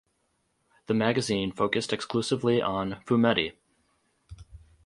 The magazine focused exclusively on "fumetti".